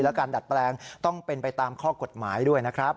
และการดัดแปลงต้องเป็นไปตามข้อกฎหมายด้วยนะครับ